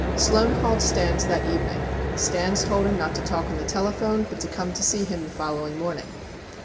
Sloan called Stans that evening; Stans told him not to talk on the telephone but to come to see him the fol lowing morning.